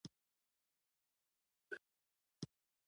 دا بې مانا ده